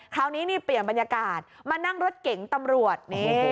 คราวนี้นี่เปลี่ยนบรรยากาศมานั่งรถเก๋งตำรวจ